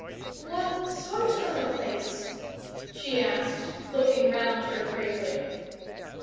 "What sort of a place?" she asked, looking round her gravely.